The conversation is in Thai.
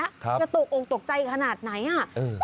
ฉันตกใจขนาดไหน